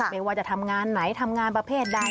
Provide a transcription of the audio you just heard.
ไม่ว่าจะทำงานไหนทำงานประเภทใด